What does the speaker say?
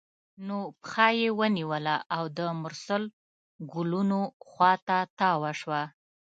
نو پښه یې ونیوله او د مرسل ګلونو خوا ته تاوه شوه.